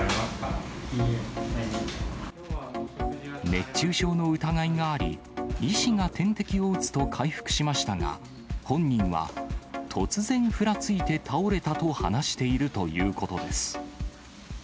熱中症の疑いがあり、医師が点滴を打つと回復しましたが、本人は、突然ふらついて倒れたと話しているということです。